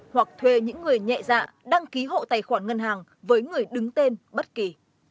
hoặc thuê những người nhẹ dạ đăng ký hộ tài khoản ngân hàng với người đứng tên bất kỳ